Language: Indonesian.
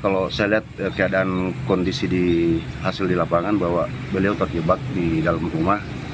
kalau saya lihat keadaan kondisi di hasil di lapangan bahwa beliau terjebak di dalam rumah